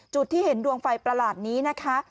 จุดที่เห็นดวงไฟประหลาดนี้นะคะ